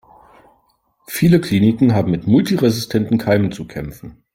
Viele Kliniken haben mit multiresistenten Keimen zu kämpfen.